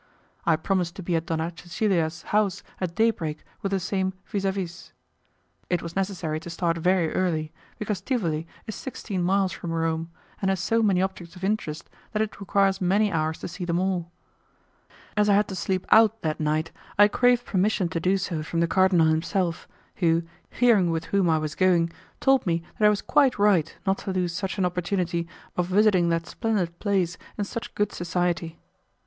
I promised to be at Donna Cecilia's house at day break with the same 'vis a vis'. It was necessary to start very early, because Tivoli is sixteen miles from Rome, and has so many objects of interest that it requires many hours to see them all. As I had to sleep out that night, I craved permission to do so from the cardinal himself, who, hearing with whom I was going, told me that I was quite right not to lose such an opportunity of visiting that splendid place in such good society.